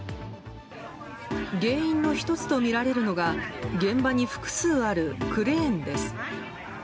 原因の１つとみられるのが現場に複数あるクレーンです。